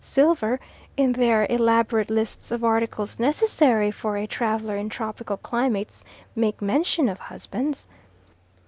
Silver, in their elaborate lists of articles necessary for a traveller in tropical climates, make mention of husbands."